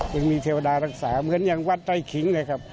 ยังมีเทวดารักษาเหมือนอย่างวัดใต้ขิงเลยครับ